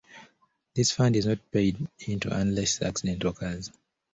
This fund is not paid into unless an accident occurs.